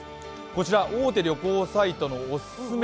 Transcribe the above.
こちら大手旅行サイトのお勧め